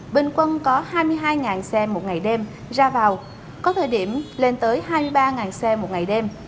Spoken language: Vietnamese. bình quân có hai mươi hai xe một ngày đêm ra vào có thời điểm lên tới hai mươi ba xe một ngày đêm